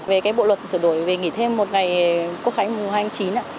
về bộ luật sửa đổi về nghỉ thêm một ngày quốc khánh mùa hai mươi chín